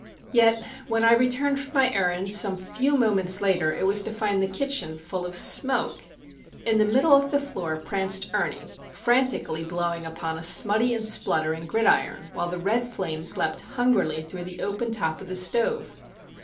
Yet when I returned from my errand some few moments later it was to find the kitchen full of smoke. In the middle of the floor pranced Ernie, frantically blowing upon a smutty and spluttering gridiron, while the red flames leapt hungrily through the open top of the stove.